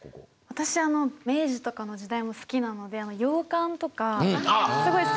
私明治とかの時代も好きなのであの洋館とかすごい好きでしたね。